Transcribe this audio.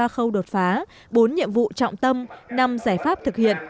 ba khâu đột phá bốn nhiệm vụ trọng tâm năm giải pháp thực hiện